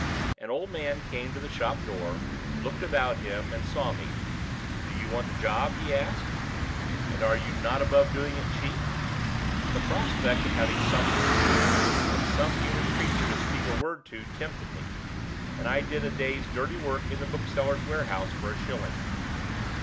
An old man came to the shop door, looked about him, and saw me. 'Do you want a job?' he asked. 'And are you not above doing it cheap?' The prospect of having something to do, and some human creature to speak a word to, tempted me, and I did a day's dirty work in the book seller's warehouse for a shilling.